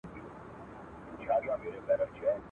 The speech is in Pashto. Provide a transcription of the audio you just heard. تر کارګه یې په سل ځله حال بتر دی.